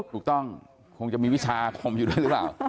คงจะมีวิชาอาคมอยู่ด้วยหรือเปล่า